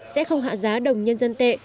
sẽ không hạ giá đồng nhân dân tệ